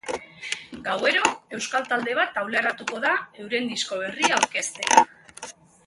Gauero euskal talde bat taularatuko da euren disko berria aurkeztera.